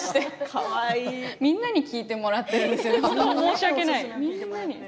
みんなに聞いてもらってるんです